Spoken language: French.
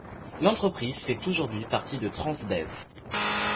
L'entreprise fait aujourd'hui partie de Transdev.